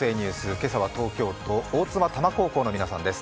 今朝は東京都、大妻多摩高校の皆さんです。